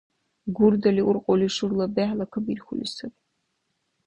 Гурдали уркьули шурла бехӀла кабирхьули саби.